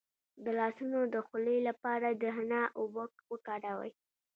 د لاسونو د خولې لپاره د حنا اوبه وکاروئ